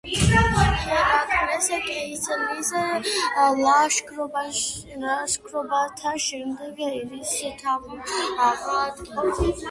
ჰერაკლე კეისრის ლაშქრობათა შემდეგ ერისმთავრად აღადგინეს.